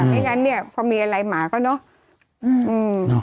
ไม่งั้นเนี่ยพอมีอะไรหมาก็เนอะ